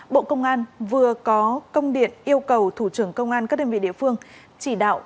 bộ công an vừa có công điện yêu cầu thủ trưởng công an các đơn vị địa phương chỉ đạo